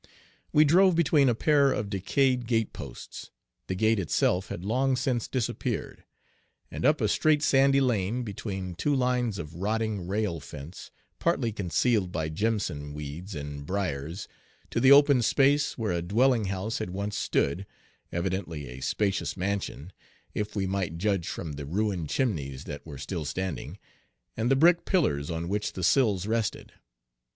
Page 8 We drove between a pair of decayed gateposts the gate itself had long since disappeared and up a straight sandy lane, between two lines of rotting rail fence, partly concealed by jimson weeds and briers, to the open space where a dwelling house had once stood, evidently a spacious mansion, if we might judge from the ruined chimneys that were still standing, and the brick pillars on which the sills rested.